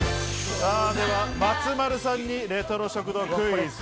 松丸さんにレトロ食堂クイズ。